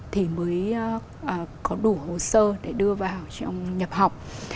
thì mới có đủ hồ sơ để đưa vào trong nhập học